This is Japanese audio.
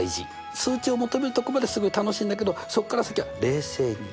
数値を求めるとこまですごい楽しいんだけどそっから先は冷静に。